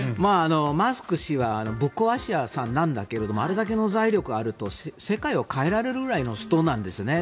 マスク氏はぶっ壊し屋さんなんだけどあれだけの財力があると世界を変えられるぐらいの人なんですね。